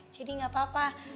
jadi gak apa apa